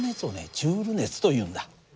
ジュール熱というんだ。